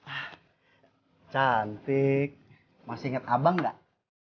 ah cantik masih ingat abang gak